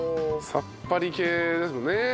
さっぱり系ですよね。